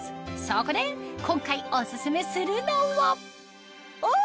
そこで今回お薦めするのはお！